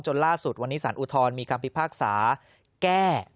จนล่าสุดสรรอุทรมีความภิพากษาแก้